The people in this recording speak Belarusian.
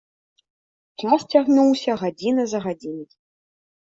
Час цягнуўся гадзіна за гадзінай.